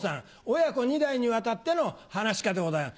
親子２代にわたっての噺家でございます。